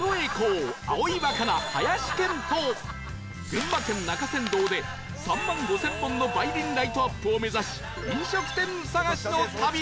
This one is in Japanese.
群馬県中山道で３万５０００本の梅林ライトアップを目指し飲食店探しの旅